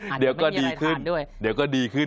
ออกไปเลยนะครับเดี๋ยวก็ดีขึ้น